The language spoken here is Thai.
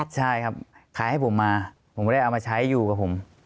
ใช่ครับขายให้ผมมาผมก็ได้เอามาใช้อยู่กับผม